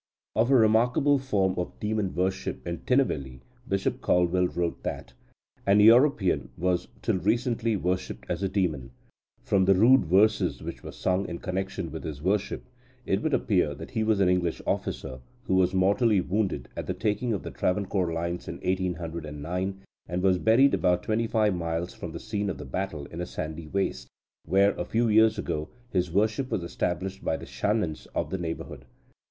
Of a remarkable form of demon worship in Tinnevelly, Bishop Caldwell wrote that "an European was till recently worshipped as a demon. From the rude verses which were sung in connection with his worship, it would appear that he was an English officer, who was mortally wounded at the taking of the Travancore lines in 1809, and was buried about twenty five miles from the scene of the battle in a sandy waste, where, a few years ago, his worship was established by the Shanans of the neighbourhood.